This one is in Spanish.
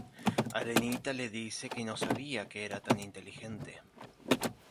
Arenita le dice que no sabía que era tan inteligente.